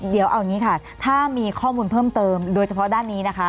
เดี๋ยวเอาอย่างนี้ค่ะถ้ามีข้อมูลเพิ่มเติมโดยเฉพาะด้านนี้นะคะ